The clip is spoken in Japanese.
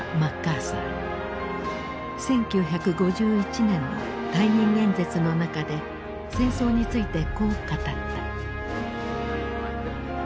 １９５１年の退任演説の中で戦争についてこう語った。